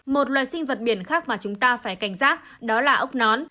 một loài sinh vật biển khác mà chúng ta phải cảnh giác đó là ốc nón